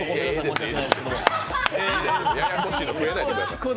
いいです、ややこしいの増やさないでください。